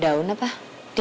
saya harus ke rumah lagi